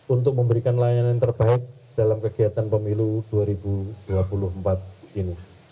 untuk memberikan layanan yang terbaik dalam kegiatan pemilu dua ribu dua puluh empat ini